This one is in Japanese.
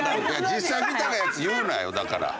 実際見たやつ言うなよだから。